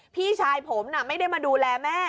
พี่ชายผมไม่ได้มาดูแลแม่